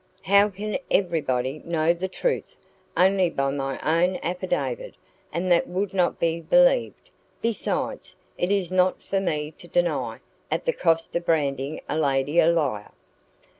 "How can everybody know the truth? Only by my own affidavit, and that would not be believed. Besides, it is not for me to deny at the cost of branding a lady a liar."